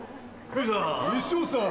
西本さん。